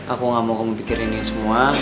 aku gak mau kamu pikirin ini semua